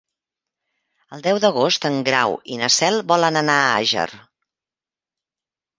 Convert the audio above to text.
El deu d'agost en Grau i na Cel volen anar a Àger.